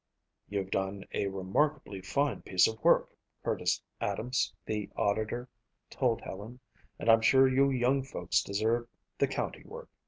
"You've done a remarkably fine piece of work," Curtis Adams, the auditor, told Helen, "and I'm sure you young folks deserve the county work."